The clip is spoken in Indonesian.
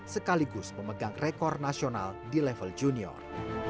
sekaligus memegang rekor nasional di level junior